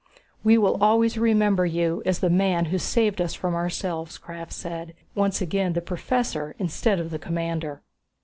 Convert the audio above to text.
"We will always remember you as the man who saved us from ourselves," Krafft said, once again the professor instead of the commander.